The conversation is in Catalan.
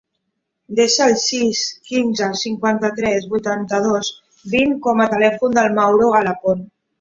Desa el sis, quinze, cinquanta-tres, vuitanta-dos, vint com a telèfon del Mauro Alapont.